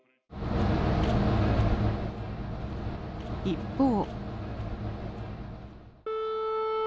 一方。